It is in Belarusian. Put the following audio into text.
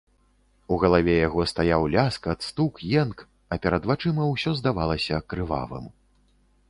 У галаве яго стаяў ляскат, стукат, енк, а перад вачыма ўсё здавалася крывавым.